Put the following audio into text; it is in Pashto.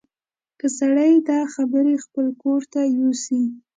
که سړی دا خبرې خپل ګور ته یوسي.